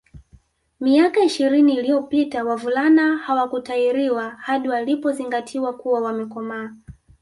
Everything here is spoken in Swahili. Miaka ishirini iliyopita wavulana hawakutahiriwa hadi walipozingatiwa kuwa wamekomaa